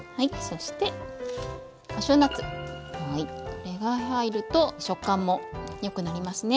これが入ると食感もよくなりますね。